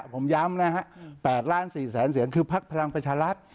ผมย้ำนะฮะ๘ล้าน๔แสนเสียงคือพักพลังประชารัฐ